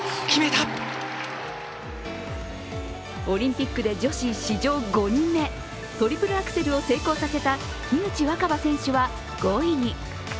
オリンピックで女子史上５人目、トリプルアクセルを成功させた樋口新葉選手は５位に。